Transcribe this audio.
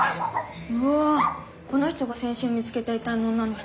うわぁこの人が先週見つけた遺体の女の人。